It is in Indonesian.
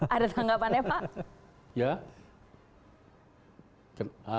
ada tanggapannya pak